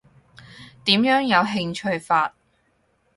點樣有興趣法？